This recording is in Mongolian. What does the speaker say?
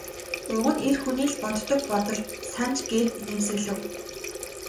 Уг нь эр хүний л боддог бодол санж гээд инээмсэглэв.